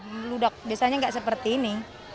membeludak biasanya nggak seperti ini